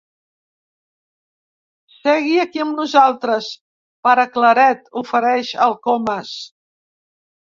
Segui aquí amb nosaltres, pare Claret —ofereix el Comas.